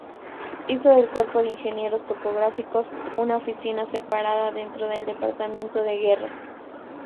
Hizo del Cuerpo de Ingenieros Topográficos una oficina separada dentro del Departamento de Guerra.